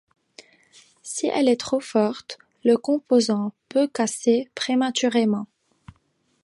Si elle est trop forte, le composant peut casser prématurément.